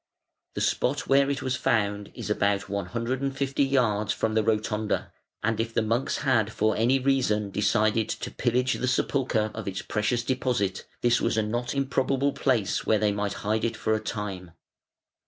The spot where it was found is about one hundred and fifty yards from the Rotonda, and if the monks had for any reason decided to pillage the sepulchre of its precious deposit, this was a not improbable place where they might hide it for a time.